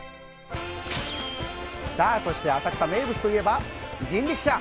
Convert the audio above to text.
さぁ、そして浅草名物といえば人力車。